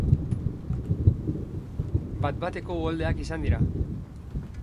Bat-bateko uholdeak izan dira.